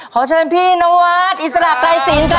ขอเชิญพี่นวัดอิสระไกรศิลป์ครับ